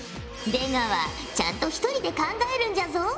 出川ちゃんと一人で考えるんじゃぞ。